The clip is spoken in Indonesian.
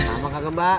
apa kak gemba